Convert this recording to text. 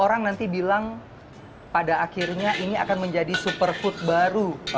orang nanti bilang pada akhirnya ini akan menjadi superfood baru